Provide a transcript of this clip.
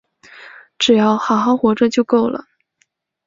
只要好好活着就够了